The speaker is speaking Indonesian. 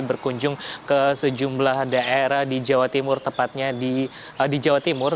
berkunjung ke sejumlah daerah di jawa timur